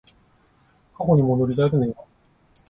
過去に戻りたいと願う